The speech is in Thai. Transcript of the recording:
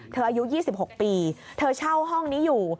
อายุ๒๖ปีเธอเช่าห้องนี้อยู่